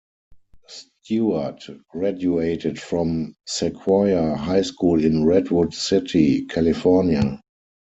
Stuart graduated from Sequoia High School in Redwood City, California.